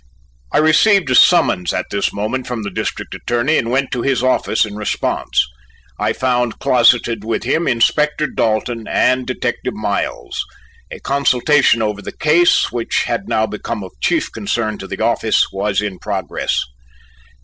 I received a summons at this moment from the District Attorney and went to his office in response. I found closeted with him Inspector Dalton and Detective Miles. A consultation over the case, which had now become of chief concern to the office, was in progress.